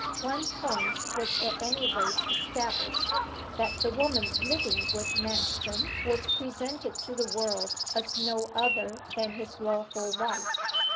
One point was at any rate established: that the woman living with Manston was presented to the world as no other than his lawful wife.